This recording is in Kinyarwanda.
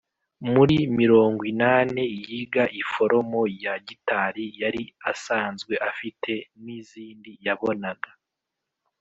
Muri mirongwinane yiga iforomo ya gitari yari asanzwe afite n’izindi yabonaga